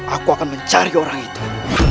aku akan mencari orang itu